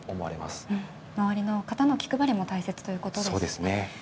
周りの方の気配りも大切ということですね。